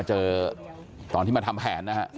ใช่ค่ะ